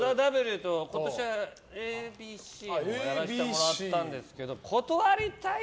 あと今年は「ＡＢＣ」もやらせてもらったんですけど断りたい。